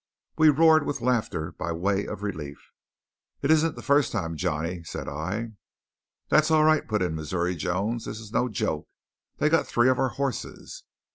We roared with laughter by way of relief. "It isn't the first time, Johnny," said I. "That's all right," put in Missouri Jones. "This is no joke. They got three of our hosses."